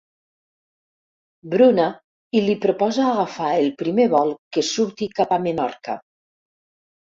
Bruna i li proposa agafar el primer vol que surti cap a Menorca.